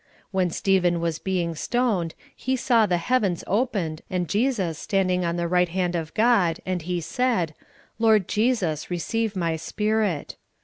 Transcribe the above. When Stephen was beings stoned he saw the heavens opened and Jesus standing on the right hand of God, and he said, " Lord Jesus, receive my spirit."